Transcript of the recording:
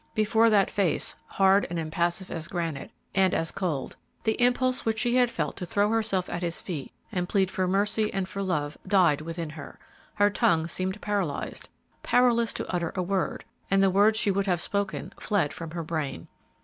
Before that face, hard and impassive as granite, and as cold, the impulse which she had felt to throw herself at his feet and plead for mercy and for love died within her; her tongue seemed paralyzed, powerless to utter a word, and the words she would have spoken fled from her brain.